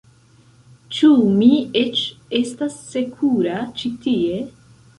Ĉu mi eĉ estas sekura ĉi tie?